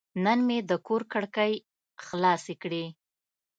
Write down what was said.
نن مې د کور کړکۍ خلاصې کړې.